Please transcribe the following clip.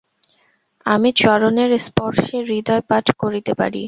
আমি চরণের স্পর্শে হৃদয় পাঠ করিতে পারি।